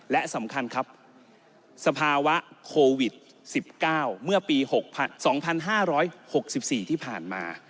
และสำคัญครับสภาวะโควิด๑๙เมื่อปี๒๕๖๔ที่ผ่านมา